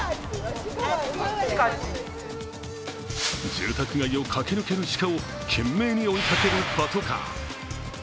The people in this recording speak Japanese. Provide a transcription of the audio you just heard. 住宅街を駆け抜けるシカを懸命に追いかけるパトカー。